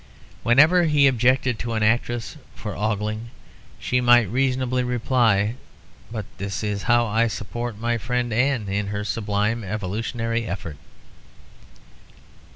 Whenever he objected to an actress for ogling she might reasonably reply, "But this is how I support my friend Anne in her sublime evolutionary effort."